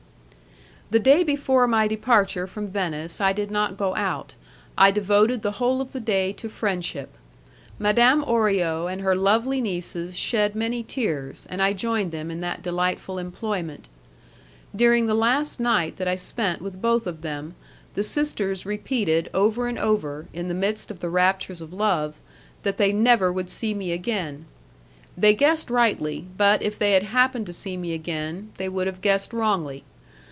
The day before my departure from Venice I did not go out; I devoted the whole of the day to friendship. Madame Orio and her lovely nieces shed many tears, and I joined them in that delightful employment. During the last night that I spent with both of them, the sisters repeated over and over, in the midst of the raptures of love, that they never would see me again. They guessed rightly; but if they had happened to see me again they would have guessed wrongly.